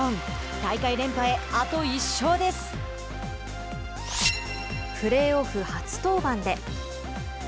大会連覇へプレーオフ初登板で。